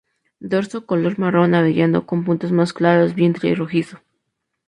Dorso color marrón avellano, con puntos más claros, vientre rojizo.